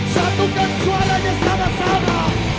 satukan suaranya sana sana